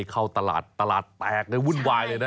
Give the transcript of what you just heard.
เข้าตลาดตลาดแตกในวุ่นวายเลยนะ